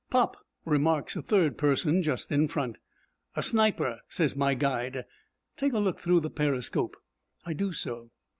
'Pop!' remarks a third person just in front. 'A sniper,' says my guide; 'take a look through the periscope.' I do so.